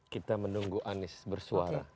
kita menunggu anies bersuara